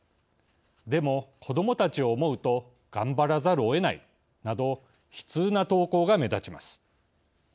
でも子どもたちを思うと頑張らざるをえない」など悲痛な投稿が目立ちます。